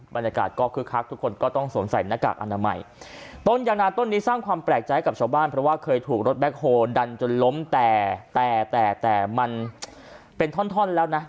บรรยากาศก็คึกคักทุกคนก็ต้องสวมใส่หน้ากากอนามัยต้นยางนาต้นนี้สร้างความแปลกใจให้กับชาวบ้านเพราะว่าเคยถูกรถแบ็คโฮลดันจนล้มแต่แต่แต่มันเป็นท่อนท่อนแล้วนะ